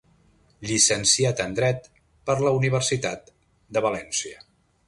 Llicenciat en dret per la Universitat de València.